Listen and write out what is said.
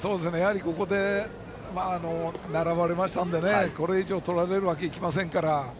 ここで並ばれましたのでこれ以上取られるわけにはいきませんから。